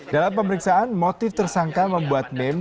dalam pemeriksaan motif tersangka membuat meme